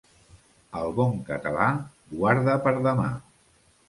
El bon català guarda per demà.